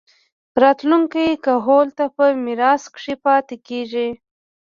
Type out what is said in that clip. راتلونکي کهول ته پۀ ميراث کښې پاتې کيږي